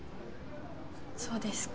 そうですか。